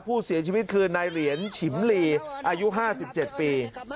ผู้เสียชีวิตคือนายเหรียญฉิมลีอายุ๕๗ปี